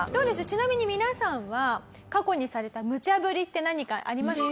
ちなみに皆さんは過去にされたムチャブリって何かあります？